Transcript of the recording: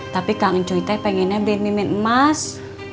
tapi kang encuy pengennya beli mimin emas